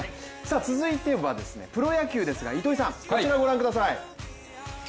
続いてはプロ野球ですが糸井さん、こちらご覧ください。